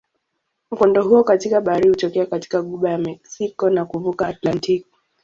Mkondo huu katika bahari hutokea katika ghuba ya Meksiko na kuvuka Atlantiki.